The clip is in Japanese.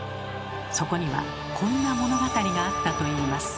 そこにはこんな物語があったといいます。